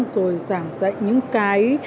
rồi giảng dạy những cái